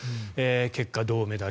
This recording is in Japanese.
結果、銅メダル。